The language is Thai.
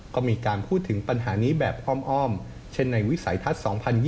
ก็มีการพูดถึงปัญหานี้แบบอ้อมเช่นในวิสัยทัศน์๒๐๒๐